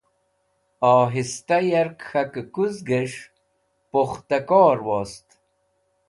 Ohista Yark K̃hakekuges̃h Pukhta Kor wost